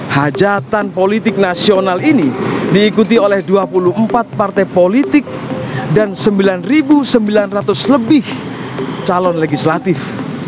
hajatan politik nasional ini diikuti oleh dua puluh empat partai politik dan sembilan sembilan ratus lebih calon legislatif